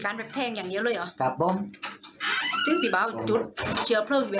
ตัวมันลาดลาดจุดเลยไหมเนี่ย